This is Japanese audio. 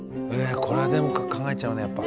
これでも考えちゃうねやっぱ。